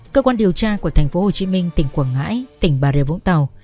cơ quan điều tra của thành phố hồ chí minh tỉnh quảng ngãi tỉnh bà rịa vũng tàu